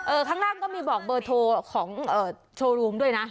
ข้างล่างก็มีบอกเบอร์โทรของโชว์รูมด้วยนะ